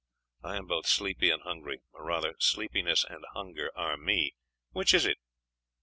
I am both sleepy and hungry.... or rather, sleepiness and hunger are me. Which is it!